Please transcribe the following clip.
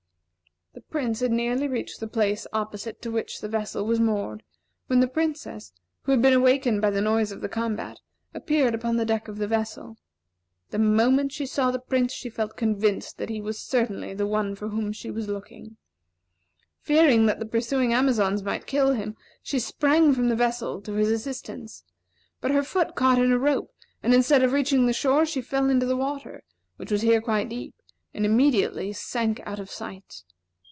The Prince had nearly reached the place opposite to which the ship was moored, when the Princess, who had been awakened by the noise of the combat, appeared upon the deck of the vessel. The moment she saw the Prince, she felt convinced that he was certainly the one for whom she was looking. Fearing that the pursuing Amazons might kill him, she sprang from the vessel to his assistance; but her foot caught in a rope, and instead of reaching the shore, she fell into the water, which was here quite deep, and immediately sank out of sight.